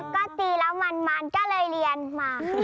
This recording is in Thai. แล้วก็ตีแล้วมันก็เลยเรียนมา